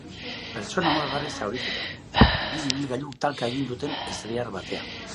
Pertsona bat larri zauritu da, bi ibilgailuk talka egin duten ezbehar batean.